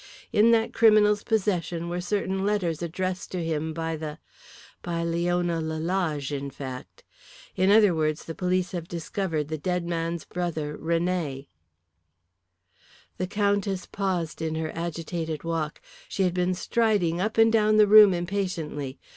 In that criminal's possession were certain letters addressed to him by the by Leona Lalage, in fact. In other words the police have discovered the dead man's brother René!" The Countess paused in her agitated walk. She had been striding up and down the room impatiently.